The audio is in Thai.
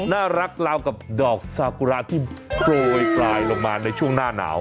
น่ารักลาวกับดอกซากุราที่โปรยปลายลงมาในช่วงหน้าหนาว